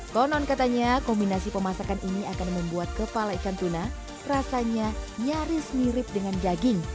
konon katanya kombinasi pemasakan ini akan membuat kepala ikan tuna rasanya nyaris mirip dengan daging